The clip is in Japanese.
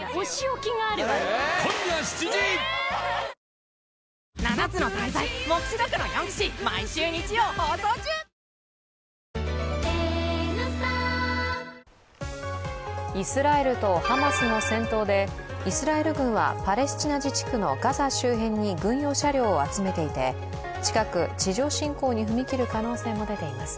ニトリイスラエルとハマスの戦闘でイスラエル軍はパレスチナ自治区のガザ周辺に軍用車両を集めていて近く地上侵攻に踏み切る可能性も出ています。